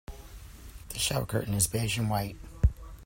The shower curtain is beige and white.